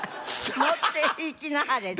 持っていきなはれ。